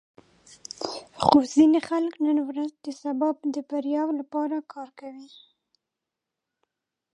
خو ځینې خلک نن ورځ د سبا د بریا لپاره کار کوي.